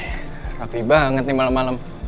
wih rapi banget nih malem malem